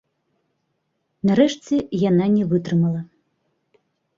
Нарэшце яна не вытрымала.